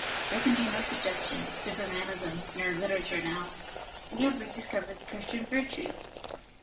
There can be no suggestion of Supermanism in our literature now. We have rediscovered the Christian Virtues.